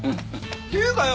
っていうかよ